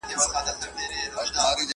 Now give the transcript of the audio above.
مُلا هم سو پکښي سپور په جګه غاړه!!